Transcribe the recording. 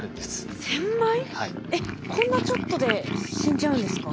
えっこんなちょっとで死んじゃうんですか？